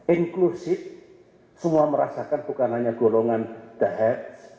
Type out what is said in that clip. inclusive semua merasakan bukan hanya golongan the heads